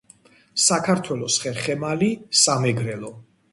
საქართველოს ხერხემალი სამეგრელო.